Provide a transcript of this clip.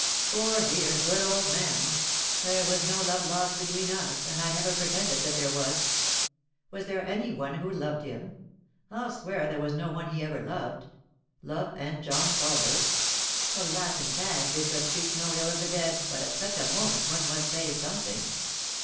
" Poor, dear, good old man I There was no love lost between us, and I never pretended that there was. 34 3i 9 iii^d by Google THE INTERRUPTED KISS Was there anyone who loved him ? Ill swear there was no one he ever loved. Love and John Culver I The Latin tag bids us speak no ill of the dead, but at such a moment one must say something.